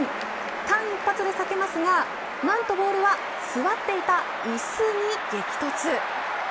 間一髪で避けますがなんとボールは座っていた椅子に激突。